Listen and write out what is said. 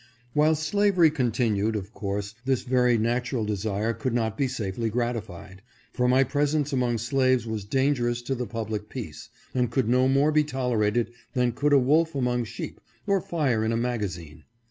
While slavery continued, of course this very natural de sire could not be safely gratified ; for my presence among slaves was dangerous to the public peace, and could no more be tolerated than could a wolf among sheep, or fire in a magazine.